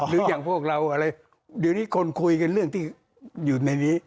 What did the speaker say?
หรืออย่างพวกเราอะไรเดี๋ยวนี้คนคุยกันเรื่องที่อยู่ในนี้